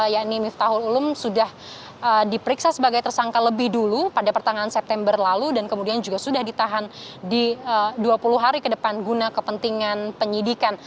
yakni miftahul ulum sudah diperiksa sebagai tersangka lebih dulu pada pertengahan september lalu dan kemudian juga sudah ditahan di dua puluh hari ke depan guna kepentingan penyidikan